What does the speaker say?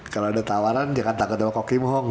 kalau ada tawaran jangan takut sama kokim hong